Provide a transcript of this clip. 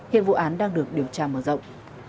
hiện vụ án đang được điều tra mở rộng